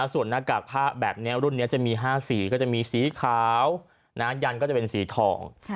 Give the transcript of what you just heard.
ส่วนหน้ากากผ้าแบบนี้รุ่นนี้จะมี๕สีก็จะมีสีขาวยันก็จะเป็นสีทอง